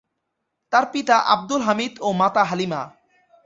তার পিতা আব্দুল হামিদ ও মাতা হালিমা।